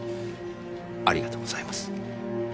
ありがとうございます。